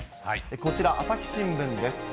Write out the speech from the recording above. こちら、朝日新聞です。